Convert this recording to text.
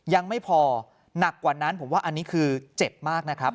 ยังไม่พอหนักกว่านั้นผมว่าอันนี้คือเจ็บมากนะครับ